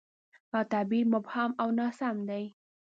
دا تعبیر مبهم او ناسم دی.